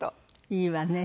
いいわね。